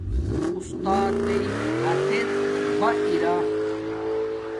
اُستاتݵ ھاتس باہ ارا